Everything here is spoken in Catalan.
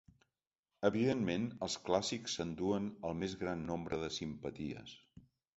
Evidentment, els clàssics s'enduen el més gran nombre de simpaties.